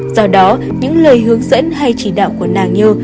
do đó những lời hướng dẫn hay chỉ đạo của nàng nhơ